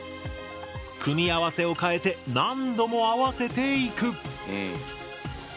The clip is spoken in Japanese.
組み合わせを変えて何度も合わせていく。